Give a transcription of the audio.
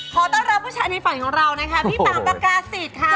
ขอต้อนรับผู้ชายในฝันของเรานะคะพี่ตามปากกาศิษย์ค่ะ